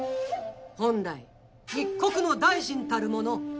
本来一国の大臣たるもの